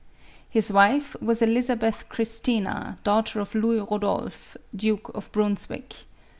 His wife was Elizabeth Christina, daughter of Louis Ehodolph, Duke of Brunswick.